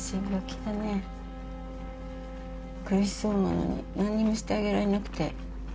苦しそうなのに何にもしてあげられなくて。